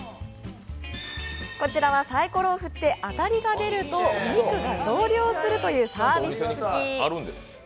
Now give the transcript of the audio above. こちらはサイコロを振ってあたりが出るとお肉が増量というサービス付き。